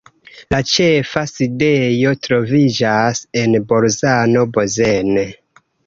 La ĉefa sidejo troviĝas en Bolzano-Bozen.